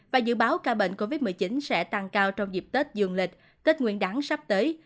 và dự báo ca bệnh covid một mươi chín sẽ tăng cao trong dịp tết dương lịch tết nguyên đáng sắp tới